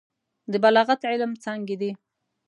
د بلاغت علم څانګې دي.